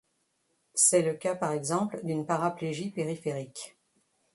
C'est le cas par exemple d'une paraplégie périphérique.